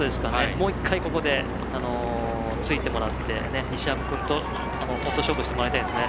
もう１回ここでついてもらって、西山君と本当、勝負してもらいたいですね。